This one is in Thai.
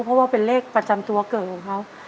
เพราะว่าเป็นเลขประจำตัวเกิดของเขา